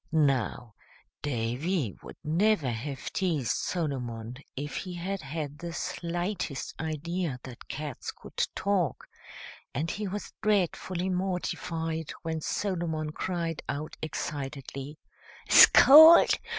Now, Davy would never have teased Solomon if he had had the slightest idea that cats could talk, and he was dreadfully mortified when Solomon cried out excitedly, "Scold!